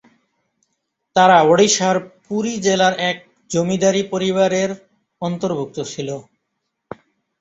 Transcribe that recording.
তারা ওড়িশার পুরী জেলার এক জমিদারী পরিবারের অন্তর্ভুক্ত ছিল।